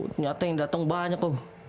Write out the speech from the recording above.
ternyata yang datang banyak loh